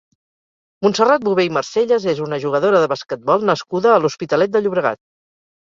Montserrat Bobé i Marselles és una jugadora de basquetbol nascuda a l'Hospitalet de Llobregat.